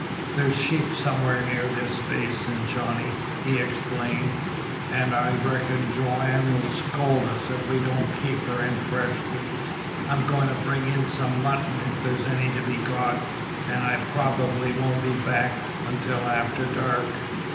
"There's sheep somewhere near this basin, Johnny," he explained. "An' I reckon Joanne'll scold us if we don't keep her in fresh meat. I'm goin' to bring in some mutton if there's any to be got, an' I probably won't be back until after dark."